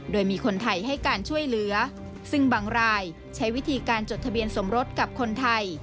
โดยมีคนไทยให้การช่วยเหลือซึ่งบางรายใช้วิธีการจดทะเบียนสมรสกับคนไทย